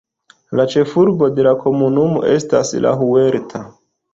La ĉefurbo de la komunumo estas La Huerta.